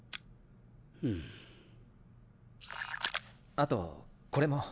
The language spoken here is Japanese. あとこれも。